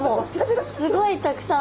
すごいたくさん。